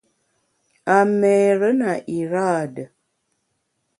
A méére na iraade.